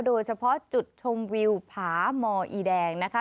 โดยเฉพาะจุดชมวิวผาหมออีแดงนะคะ